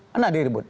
mana ada yang ribut